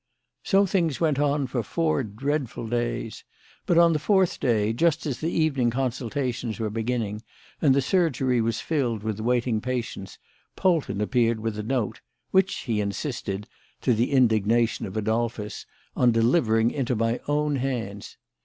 So things went on for four dreadful days. But on the fourth day, just as the evening consultations were beginning and the surgery was filled with waiting patients, Polton appeared with a note, which he insisted, to the indignation of Adolphus, on delivering into my own hands.